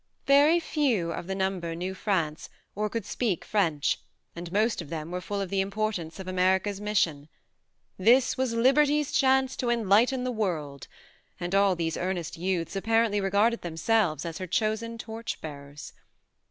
Very few of the number knew 64 THE MARNE France or could speak French, and most of them were full of the import ance of America's mission. This was Liberty's chance to Enlighten the World ; and all these earnest youths apparently regarded themselves as her chosen torch bearers.